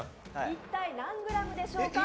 一体何グラムでしょうか。